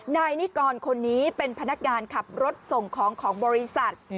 นายนิกรคนนี้เป็นพนักงานขับรถส่งของของบริษัท